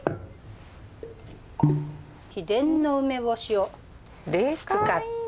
秘伝の梅干しを使って。